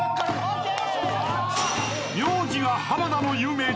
ＯＫ！